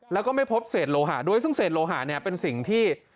แล้วก็ไม่พบเศษโลหะด้วยซึ่งเศษโลหะเนี่ยเป็นสิ่งที่